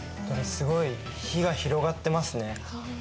すごい火が広がってますね。